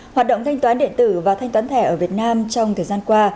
hoạt động thanh toán điện tử và thanh toán thẻ ở việt nam trong thời gian qua